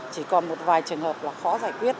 chỉ còn một vài trường hợp là khó giải quyết